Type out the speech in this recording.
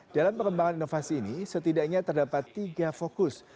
dalam pengembangan inovasi ini setidaknya terdapat tiga fokus